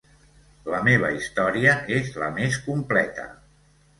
La meva història és la més completa.